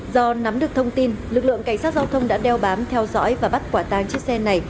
do nắm được thông tin lực lượng cảnh sát giao thông đã đeo bám theo dõi và bắt quả tang chiếc xe này